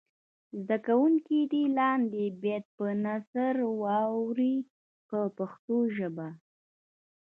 زده کوونکي دې لاندې بیت په نثر واړوي په پښتو ژبه.